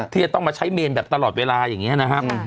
ที่จะต้องมาใช้เมนแบบตลอดเวลาอย่างนี้นะครับ